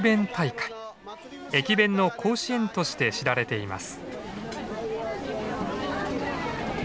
駅弁の甲子園として知られています。